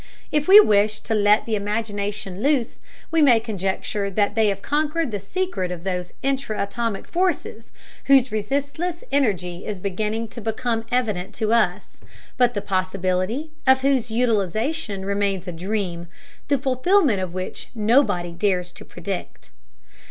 If we wish to let the imagination loose, we may conjecture that they have conquered the secret of those intra atomic forces whose resistless energy is beginning to become evident to us, but the possibility of whose utilization remains a dream, the fulfillment of which nobody dares to predict.